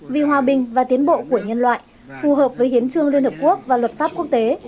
vì hòa bình và tiến bộ của nhân loại phù hợp với hiến trương liên hợp quốc và luật pháp quốc tế